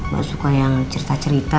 gak suka yang cerita cerita